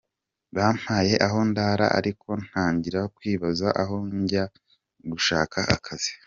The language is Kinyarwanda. Bampaye aho ndara ariko ntangira kwibaza aho njya gushaka akazi.